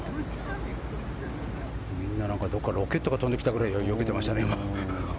みんなロケットが飛んできたぐらいよけていましたよね、今。